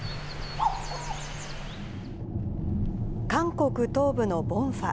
韓国東部のボンファ。